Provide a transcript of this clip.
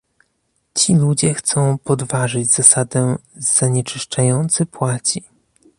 Ci ludzie chcą podważyć zasadę "zanieczyszczający płaci"